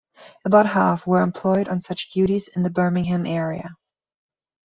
About half were employed on such duties in the Birmingham area.